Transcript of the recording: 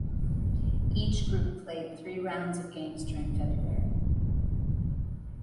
Each group played three rounds of games during February.